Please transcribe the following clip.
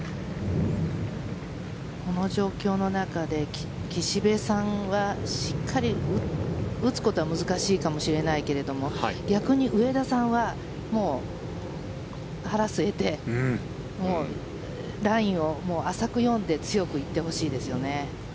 この状況の中で岸部さんはしっかり打つことは難しいかもしれないけれども逆に上田さんは腹を据えてもうラインを浅く読んで強く行ってほしいですよね。